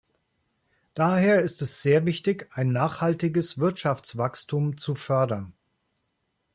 Daher ist es sehr wichtig, ein nachhaltiges Wirtschaftswachstum zu fördern.